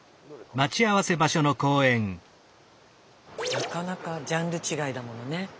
なかなかジャンル違いだものねいつもね。